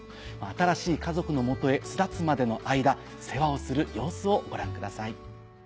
新しい家族の元へ巣立つまでの間世話をする様子をご覧ください。